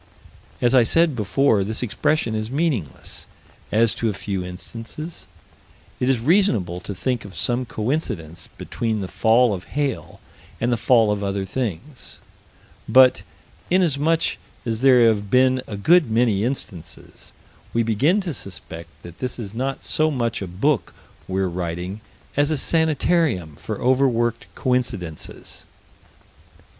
As I said before, this expression is meaningless as to a few instances; it is reasonable to think of some coincidence between the fall of hail and the fall of other things: but, inasmuch as there have been a good many instances, we begin to suspect that this is not so much a book we're writing as a sanitarium for overworked coincidences.